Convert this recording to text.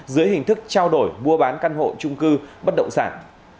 dưới hình thức trao đổi mua bán căn hộ trung cư bất động sản